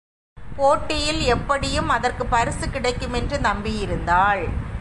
போட்டியில் எப்படியும் அதற்குப் பரிசு கிடைக்கும் என்று நம்பியிருந்தாள்.